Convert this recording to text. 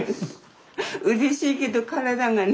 うれしいけど体がね。